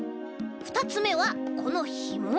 ふたつめはこのひも。